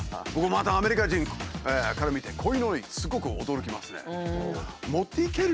アメリカ人から見てこういうのにすごく驚きますね。